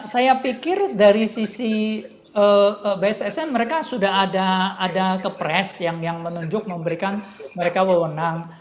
saya pikir dari sisi bssn mereka sudah ada kepres yang menunjuk memberikan mereka wewenang